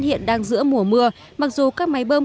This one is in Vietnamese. hiện đang giữa mùa mưa mặc dù các máy bơm